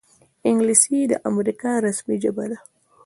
انګلیسي د امریکا رسمي ژبه ده